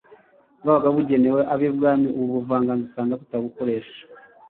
bwabaga bugenewe ab’ibwami. Ubu buvanganzo usanga tubukoresha